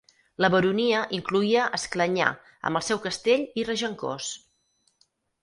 La baronia incloïa Esclanyà amb el seu castell i Regencós.